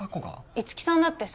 五木さんだってさ